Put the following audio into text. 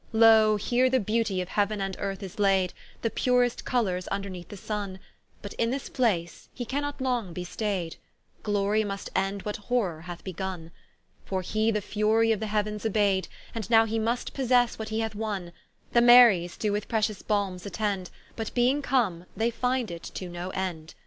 Loe here the Beautie of Heau'n and Earth is laid, The purest coulers vnderneath the Sunne, But in this place he cannot long be staid, Glory must end what horror hath begun; For he the furie of the Heauens obay'd, And now he must possesse what he hath wonne: The Maries doe with pretious balmes attend, But beeing come, they find it to no end.